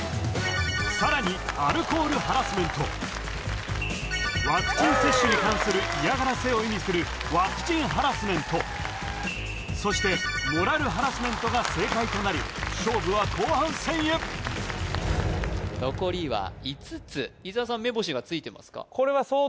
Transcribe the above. さらにアルコールハラスメントワクチン接種に関する嫌がらせを意味するワクチンハラスメントそしてモラルハラスメントが正解となり勝負は後半戦へ残りは５つ伊沢さん目星がついてますか？